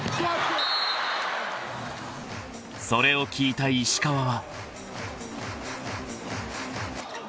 ［それを聞いた石川は］